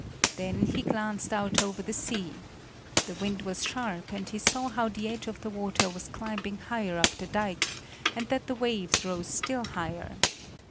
Then he glanced out over the sea. The wind was sharp and he saw how the edge of the water was climbing higher up the dike and that the waves rose still higher.